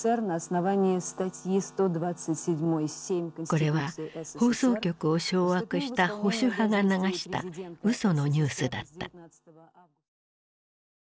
これは放送局を掌握した保守派が流したうそのニュースだった。